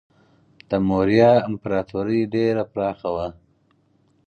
د موریا امپراتوري ډیره پراخه وه.